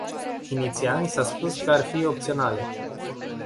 Inițial ni s-a spus că ar fi opționale.